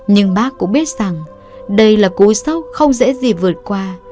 nhưng bác cũng biết rằng đây là cuộc sống không dễ gì vượt qua